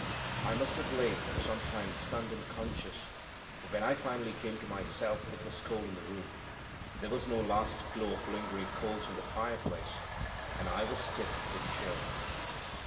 I must have lain for some time stunned and unconscious, for when I finally came to myself it was cold in the room, there was no last glow of lingering coals in the fireplace, and I was stiff with chill.